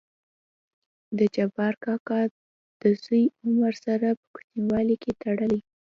دجبار کاکا دزوى عمر سره په کوچينوالي کې تړلى.